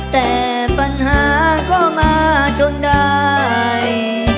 แต่ปัญหาก็มาจนได้